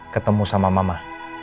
ketemu sama mama